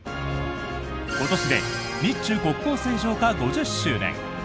今年で日中国交正常化５０周年。